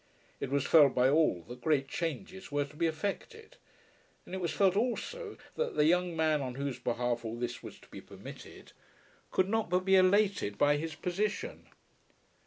It was felt by all that great changes were to be effected, and it was felt also that the young man on whose behalf all this was to be permitted, could not but be elated by his position.